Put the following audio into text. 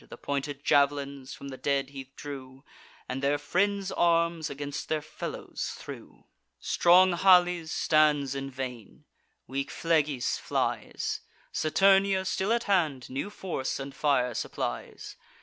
The pointed jav'lins from the dead he drew, And their friends' arms against their fellows threw. Strong Halys stands in vain; weak Phlegys flies; Saturnia, still at hand, new force and fire supplies.